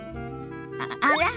あら？